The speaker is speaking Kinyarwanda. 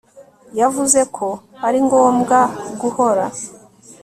yavuze ko aringombwa guhora